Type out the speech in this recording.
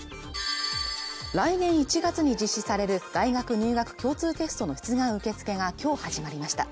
来年１月に実施される大学入学共通テストの出願受け付けが今日始まりました